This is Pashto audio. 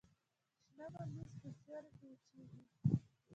شنه ممیز په سیوري کې وچیږي.